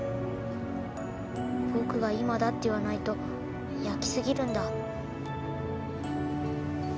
僕が「今だ」って言わないと焼き過ぎるんだ。